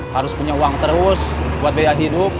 harus punya uang terus buat biaya hidup